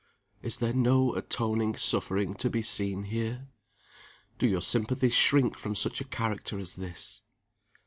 Is there no atoning suffering to be seen here? Do your sympathies shrink from such a character as this?